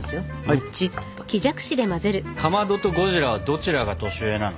かまどとゴジラはどちらが年上なの？